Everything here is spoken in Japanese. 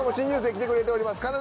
来てくれております。